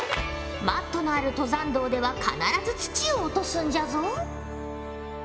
マットのある登山道では必ず土を落とすんじゃぞ。